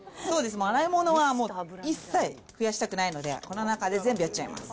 洗い物は一切増やしたくないので、この中で全部やっちゃいます。